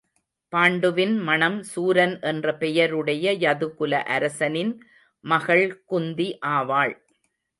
பாண்டுவின் மணம் சூரன் என்ற பெயருடைய யதுகுல அரசனின் மகள் குந்தி ஆவாள்.